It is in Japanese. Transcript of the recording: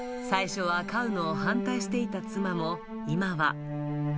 最初は飼うのを反対していた妻も、今は。